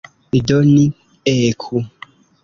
Do, ni eku!